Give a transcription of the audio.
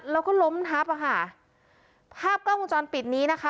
แล้วก็ล้มทับอ่ะค่ะภาพกล้องวงจรปิดนี้นะคะ